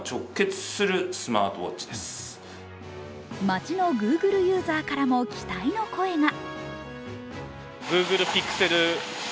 街のＧｏｏｇｌｅユーザーからも期待の声が。